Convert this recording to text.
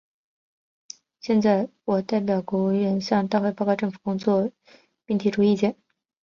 现在，我代表国务院，向大会报告政府工作，请予审议，并请全国政协委员提出意见。